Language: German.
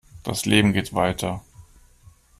Das Leben geht weiter.